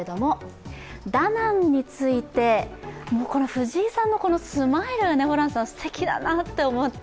藤井さんのスマイル、すてきだなと思って。